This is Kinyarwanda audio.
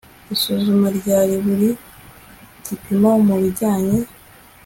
isuzuma rya buri gipimo mu bijyanye